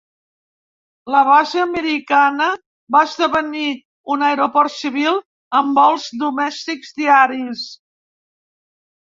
La base americana va esdevenir un aeroport civil amb vols domèstics diaris.